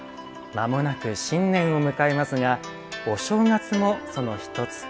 まもなく新年を迎えますがお正月もその１つ。